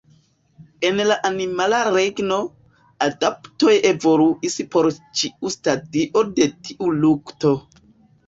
En la animala regno, adaptoj evoluis por ĉiu stadio de tiu lukto.